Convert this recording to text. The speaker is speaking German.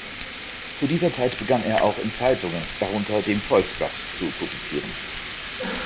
Zu dieser Zeit begann er auch in Zeitungen, darunter dem Volksblatt zu publizieren.